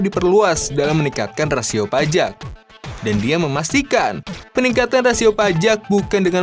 diperluas dalam meningkatkan rasio pajak dan dia memastikan peningkatan rasio pajak bukan dengan